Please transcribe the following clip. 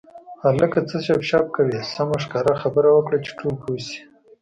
هلکه څه شپ شپ کوې سمه ښکاره خبره وکړه چې ټول پوه شي.